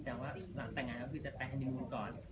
แต่ว่าหลังแต่งงานก็คือจะไปฮันนิมูลก่อน